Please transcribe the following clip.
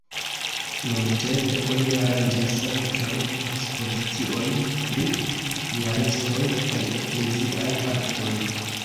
Nuntempe oni aranĝas ankaŭ ekspoziciojn pri piaristoj kaj ekleziaj artoj.